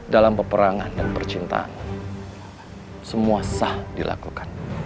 dalam peperangan dan percintaan semua sah dilakukan